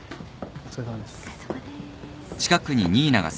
お疲れさまです。